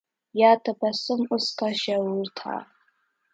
یا تبسم اُسکا شعور تھا